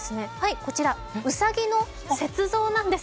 こちら、うさぎの雪像なんです。